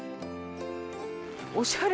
おしゃれ。